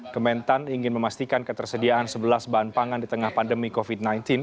kementan ingin memastikan ketersediaan sebelas bahan pangan di tengah pandemi covid sembilan belas